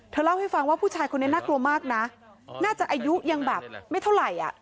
เล่าให้ฟังว่าผู้ชายคนนี้น่ากลัวมากนะน่าจะอายุยังแบบไม่เท่าไหร่อ่ะ